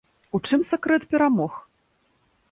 У чым сакрэт перамог?